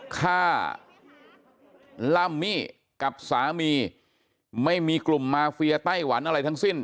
ฆ่าลัมมี่กับสามีไม่มีกลุ่มมาเฟียไต้หวันอะไรทั้งสิ้น